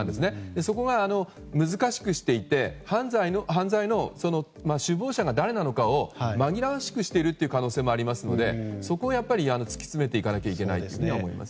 そこが難しくしていて犯罪の首謀者が誰なのかを紛らわしくしている可能性もあると思いますのでそこを突き詰めていかないといけないと思います。